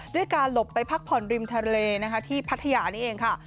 ด้วยการหลบไปพักผ่อนริมทะเลนะคะที่พัทยานี่เองค่ะ